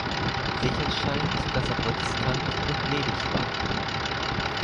Sicher scheint, dass er Protestant und ledig war.